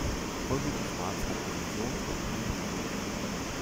Ulrike Schwarz hat einen Sohn und eine Tochter.